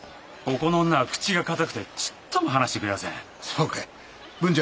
ここの女は口が堅くてちっとも話してくれやせん。